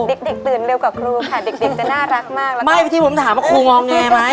ดิกตื่นเร็วกว่าครูค่ะดิกจะน่ารักมากแล้วก็ไม่ที่ผมถามว่าครูงองแงไหม